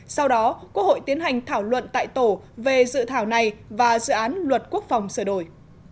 sau đó quốc hội tiến hành thảo luận tại tổ về dự thảo này và dự án luật quốc phòng sửa đổi